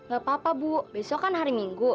gak apa apa bu besok kan hari minggu